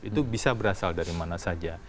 itu bisa berasal dari mana saja